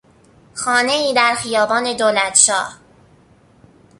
خانهای در خیابان دولتشاه